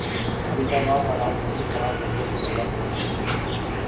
امریکہ وہاں حالات مزید خراب کرنے پہ تلا ہوا ہے۔